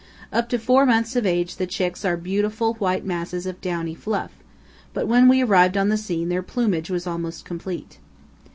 Up to four months of age the chicks are beautiful white masses of downy fluff, but when we arrived on the scene their plumage was almost complete.